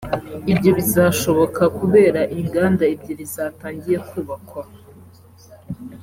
Ibyo bizashoboka kubera inganda ebyiri zatangiye kubakwa